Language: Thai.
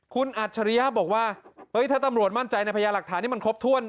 คุณอัจฉริยะบอกว่าถ้าตำรวจมั่นใจในพยาหลักฐานที่มันครบถ้วน